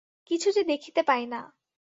কিছু যে দেখিতে পাই না।